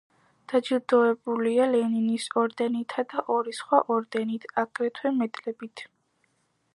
დაჯილდოებულია ლენინის ორდენითა და ორი სხვა ორდენით, აგრეთვე მედლებით.